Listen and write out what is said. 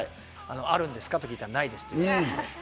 あるんですか？と聞いたら、ないですと。